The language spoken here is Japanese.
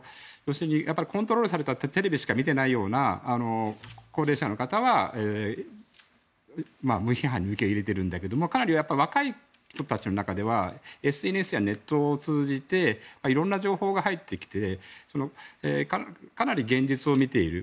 コントロールされたテレビしか見ていないような高齢者の方は無批判に受け入れてるんだけどもかなり若い人たちの中ではＳＮＳやネットを通じていろんな情報が入ってきてかなり現実を見ている。